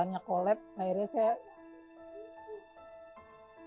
tas sexually molestasi teman dimilih sebagai trio